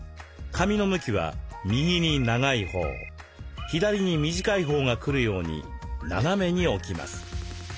紙の向きは右に長いほう左に短いほうが来るように斜めに置きます。